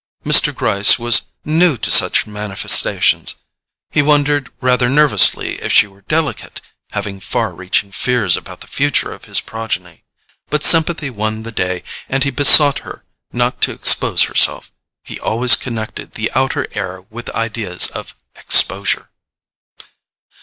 Mr. Gryce was new to such manifestations; he wondered rather nervously if she were delicate, having far reaching fears about the future of his progeny. But sympathy won the day, and he besought her not to expose herself: he always connected the outer air with ideas of exposure.